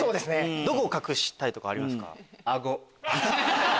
どこを隠したいとかありますか？